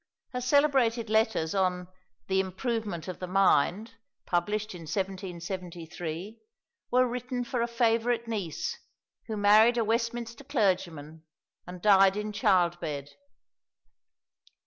Her celebrated letters on The Improvement of the Mind, published in 1773, were written for a favourite niece, who married a Westminster Clergyman and died in childbed.